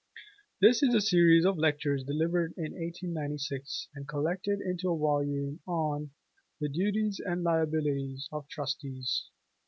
This is a series of lectures delivered in 1896, and collected into a volume on 'The Duties and Liabilities of Trustees.'